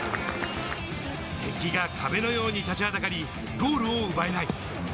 敵が壁のように立ちはだかりゴールを奪えない。